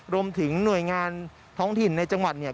รวมถึงหน่วยงานท้องถิ่นในจังหวัดเนี่ย